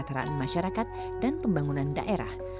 keteraan masyarakat dan pembangunan daerah